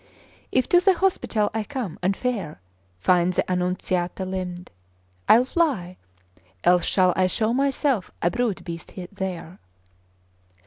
If to the hospital I come, and fair Find the Annunziata limned. I'll fly: Else shall I show myself a brute beast there.